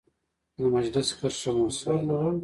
د مجلس کرښه مؤثره ده.